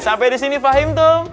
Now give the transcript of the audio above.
sampai di sini paham tum